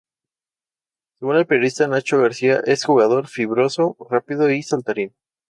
Según el periodista Nacho García es jugador "Fibroso, rápido y saltarín.